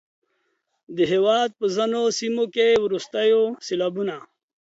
د هیواد په ځینو سیمو کې وروستیو سیلابونو